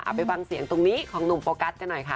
ไปฟังเสียงตรงนี้ของหนุ่มโฟกัสกันหน่อยค่ะ